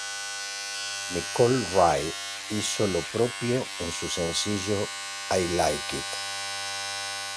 Nicole Wray hizo lo propio en su sencillo "I Like It".